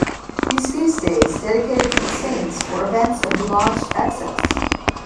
These feast days, dedicated to the saints, were events of debauched excess.